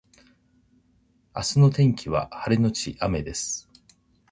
明日の天気は晴れのち雨です